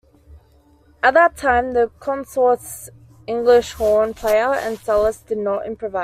At that time, the Consort's English horn player and cellist did not improvise.